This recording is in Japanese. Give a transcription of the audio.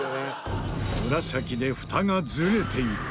紫でフタがズレている。